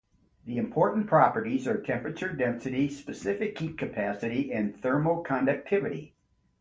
The important properties are temperature, density, specific heat capacity, and thermal conductivity.